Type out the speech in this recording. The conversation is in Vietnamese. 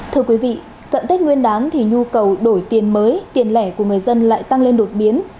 thưa quý vị cận tết nguyên đán thì nhu cầu đổi tiền mới tiền lẻ của người dân lại tăng lên đột biến